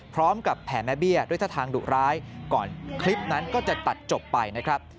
พร้อมกับแผ่แม่เบี่ยด้วยทะทางดุร้ายก่อนคลิปนั้นก็จะตัดจบไปครับ